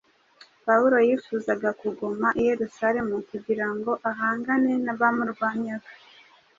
Pawulo yifuzaga kuguma i Yerusalemu kugira ngo ahangane n’abamurwanyaga.